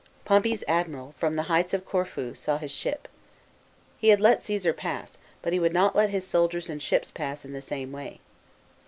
Pompey's admiral, from the heights of Corfu, saw his ship. He had let Caesar pass, but he would not let his soldiers and ships pass in the same way.